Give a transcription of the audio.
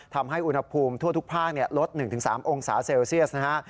ทำให้อุณหภูมิทั่วทุกภาคลด๑๓องศาเซลเซียสนะฮะ